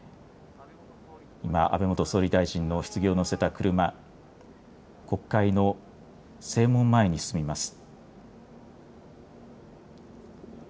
今、安倍元総理大臣のひつぎを乗せた車、国会の正門前に進みます。